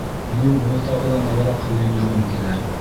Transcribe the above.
Минең уны тағы ла нығыраҡ һөйөндөргөм килә.